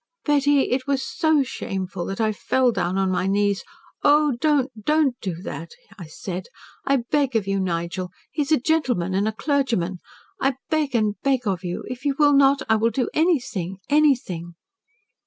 "Betty, it was so shameful that I fell down on my knees. 'Oh, don't don't do that,' I said. 'I beg of you, Nigel. He is a gentleman and a clergyman. I beg and beg of you. If you will not, I will do anything anything.'